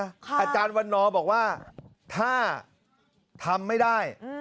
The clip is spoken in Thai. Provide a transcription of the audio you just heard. อาจารย์วันนอบอกว่าถ้าทำไม่ได้